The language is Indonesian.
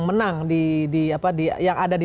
menang yang ada di